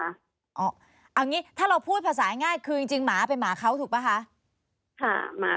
เอาอย่างนี้ถ้าเราพูดภาษาง่ายคือจริงหมาเป็นหมาเขาถูกป่ะคะ